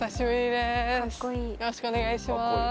よろしくお願いします。